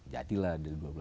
jadilah dari dua puluh delapan